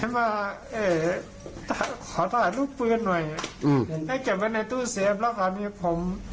มาเอ่อขอถ่ายลูกปืนหน่อยอืมได้เก็บไว้ในตู้เซฟแล้วกับมีผม